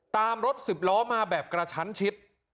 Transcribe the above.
ตามรถสิบล้อมาแบบกระชั้นชิด